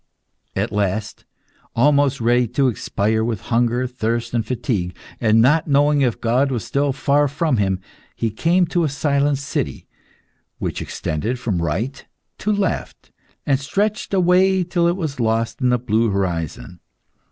At last, almost ready to expire with hunger, thirst, and fatigue, and not knowing if God was still far from him, he came to a silent city which extended from right to left, and stretched away till it was lost in the blue horizon.